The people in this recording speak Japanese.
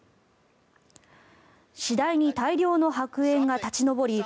次第に大量の白煙が立ち上り